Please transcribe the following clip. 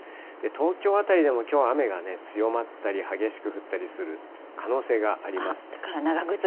東京辺りでもきょうは雨が強まったり、激しく降ったりする可能性があります。